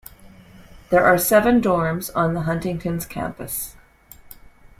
There are seven dorms on Huntington's campus.